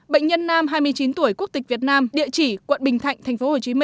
bệnh nhân nam hai mươi chín tuổi quốc tịch việt nam địa chỉ quận bình thạnh tp hcm